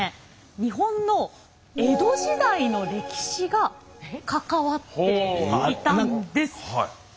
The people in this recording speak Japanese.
日本の江戸時代の歴史が関わっていたんです。